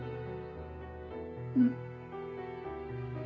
うん。